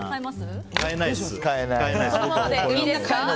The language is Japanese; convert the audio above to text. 変えないです。